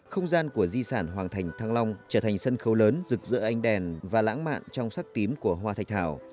không gian của di sản hoàng thành thăng long trở thành sân khấu lớn rực rỡ ánh đèn và lãng mạn trong sắc tím của hoa thạch thảo